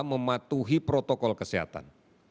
mematuhi protokol kesehatan